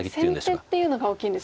先手っていうのが大きいんですね。